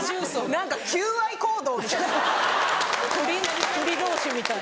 何か求愛行動みたい。